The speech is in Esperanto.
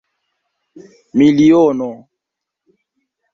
miliono